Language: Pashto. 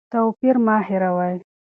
توپیر مه هېروئ.